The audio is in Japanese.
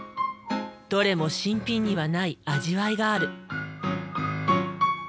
どれも新品にはない味わいがある。